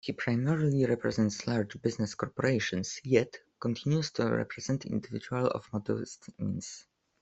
He primarily represents large business corporations, yet continues to represent individuals of modest means.